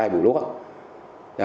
hai buổi lúc